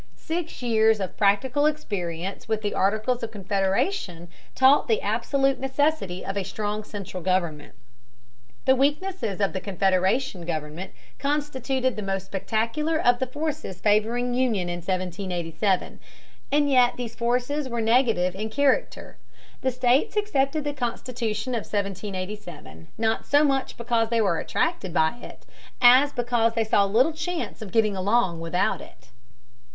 Six years of practical experience with the Articles of Confederation taught the absolute necessity of a strong central government. The weaknesses of the Confederation government constituted the most spectacular of the forces favoring union in 1787, and yet these forces were negative in character: the states accepted the Constitution of 1787 not so much because they were attracted by it, as because they saw little chance of getting along without it.